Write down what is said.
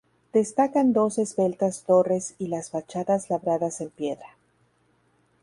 Destacan dos esbeltas torres y las fachadas labradas en piedra.